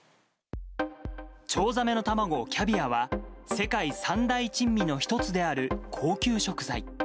チョウザメの卵、キャビアは、世界三大珍味の一つである高級食材。